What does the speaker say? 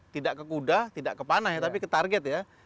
tidak ke kuda tidak ke panah ya tapi ke target ya